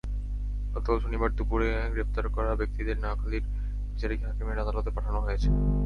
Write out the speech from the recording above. গতকাল শনিবার দুপুরে গ্রেপ্তার করা ব্যক্তিদের নোয়াখালীর বিচারিক হাকিমের আদালতে পাঠানো হয়েছে।